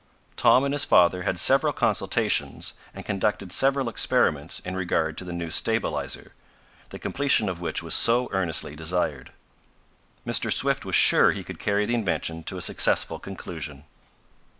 Tom and his father had several consultations and conducted several experiments in regard to the new stabilizer, the completion of which was so earnestly desired. Mr. Swift was sure he could carry the invention to a successful conclusion.